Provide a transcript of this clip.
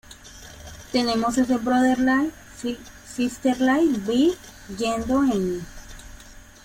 Tenemos este brotherly-sisterly vibe yendo en.